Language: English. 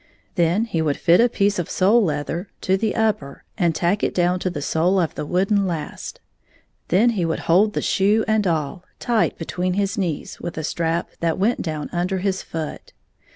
Then he would fit a piece of sole leather to the upper and tack it down to the sole of the wooden last Then he would hold the shoe and all tight between his knees with a strap that went down under his foot.